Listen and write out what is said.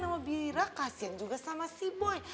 sama biira kasian juga sama si boy